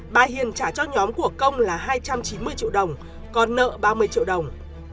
bà hiền trả cho nhóm của công là hai trăm chín mươi triệu đồng còn nợ ba mươi triệu đồng